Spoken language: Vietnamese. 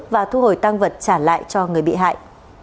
và thu hồi tăng vật trả lại cho người bị hại